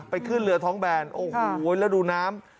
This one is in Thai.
ขึ้นเรือท้องแบนโอ้โหแล้วดูน้ำ